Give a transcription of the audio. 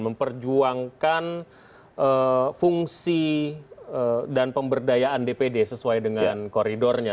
memperjuangkan fungsi dan pemberdayaan dpd sesuai dengan koridornya